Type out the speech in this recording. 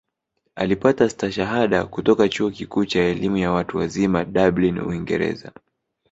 Alipata Stashahada kutoka Chuo Kikuu cha Elimu ya Watu Wazima Dublin Uingereza